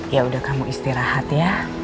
ya udah kamu istirahat ya